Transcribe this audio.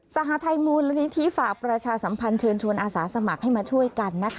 หาทัยมูลนิธิฝากประชาสัมพันธ์เชิญชวนอาสาสมัครให้มาช่วยกันนะคะ